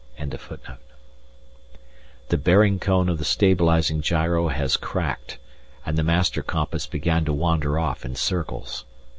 The bearing cone of the stabilizing gyro has cracked, and the master compass began to wander off in circles.